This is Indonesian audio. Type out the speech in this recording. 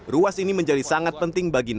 ruas ini menjadi sangat penting bagi indonesia